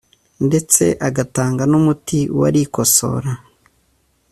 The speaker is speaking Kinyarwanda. ndetse agatanga n’umuti warikosora